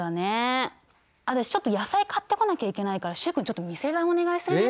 私ちょっと野菜買ってこなきゃいけないから習君ちょっと店番お願いするね。